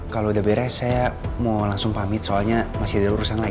kalau udah beres saya mau langsung pamit soalnya masih ada urusan lagi